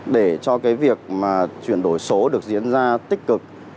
để cho việc chuyển đổi số được diễn ra tích cực